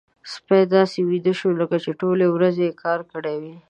سپی داسې ویده شو لکه چې ټولې ورځې يې کار کړی وي.